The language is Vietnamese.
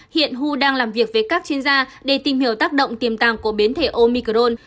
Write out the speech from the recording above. hiện hu đang làm việc với các chuyên gia để tìm hiểu tác động tiềm tàng của biến thể omicron